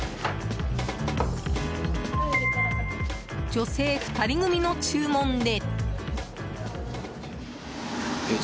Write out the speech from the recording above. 女性２人組の注文で。